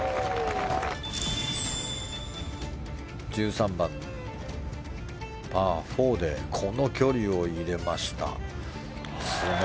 １３番のパー４でこの距離を入れました。